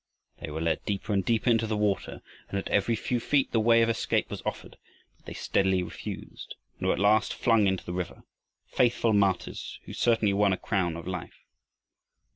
They were led deeper and deeper into the water, and at every few feet the way of escape was offered, but they steadily refused, and were at last flung into the river faithful martyrs who certainly won a crown of life.